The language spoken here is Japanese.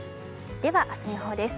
では明日の予報です。